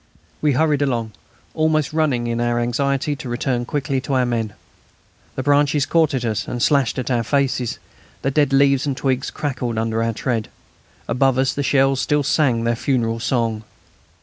We hurried along, almost running in our anxiety to return quickly to our men. The branches caught at us and slashed our faces, the dead leaves and twigs crackled under our tread. Above us the shells still sang their funeral song.